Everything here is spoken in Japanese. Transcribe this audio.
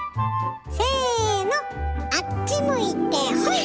せのあっち向いてホイ！